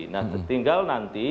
nah tinggal nanti